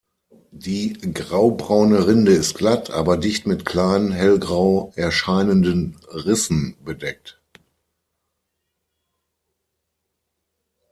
Die grau-braune Rinde ist glatt, aber dicht mit kleinen, hellgrau erscheinenden Rissen bedeckt.